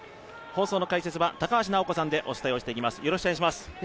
放送の解説は高橋尚子さんでお伝えをしていきます。